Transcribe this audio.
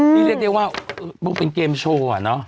นี้เรียกได้ว่ามึงเป็นเกมโชว์ก่อนเนอะ